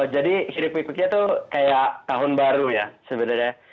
jadi hiruk pikuknya itu kayak tahun baru ya sebenarnya